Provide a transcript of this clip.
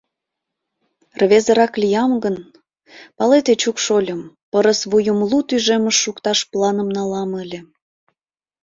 Рвезырак лиям гын, палет, Эчук шольым, пырыс вуйым лу тӱжемыш шукташ планым налам ыле.